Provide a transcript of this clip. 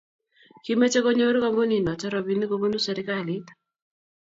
Kimeche konyoru kampunit noto robinik kobunu serikalit.